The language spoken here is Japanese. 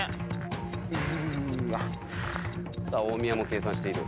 大宮も計算している。